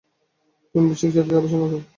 প্রেমবিষয়ক জটিলতার অবসান হবে।